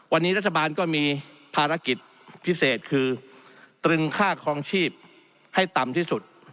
วันนี้รัฐบาลก็มีภารกิจพิเศษคือตรึงค่าคลองชีพให้ต่ำที่สุด